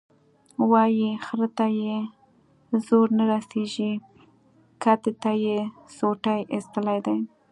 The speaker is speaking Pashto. وایي خره ته یې زور نه رسېږي، کتې ته یې سوټي ایستلي دي.